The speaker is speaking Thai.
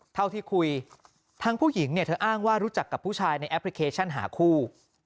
เท่าที่คุยทั้งผู้หญิงเนี่ยเธออ้างว่ารู้จักกับผู้ชายในแอปพลิเคชันหาคู่